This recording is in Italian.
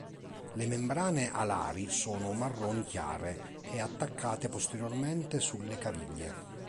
Le membrane alari sono marroni chiare e attaccate posteriormente sulle caviglie.